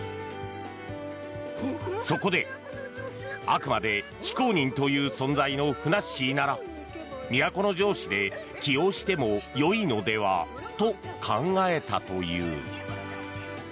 そこで、あくまで非公認という存在のふなっしーなら都城市で起用してもよいのではと考えたという。